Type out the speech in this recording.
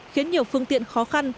khiến nhiều phương tiện khó khăn